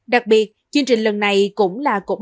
đặc biệt chương trình lần này cũng là cổng